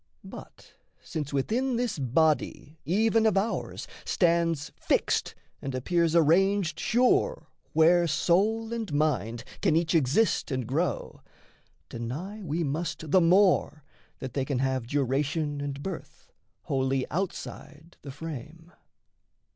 But since within this body even of ours Stands fixed and appears arranged sure Where soul and mind can each exist and grow, Deny we must the more that they can have Duration and birth, wholly outside the frame.